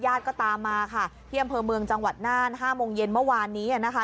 ก็ตามมาค่ะที่อำเภอเมืองจังหวัดน่าน๕โมงเย็นเมื่อวานนี้นะคะ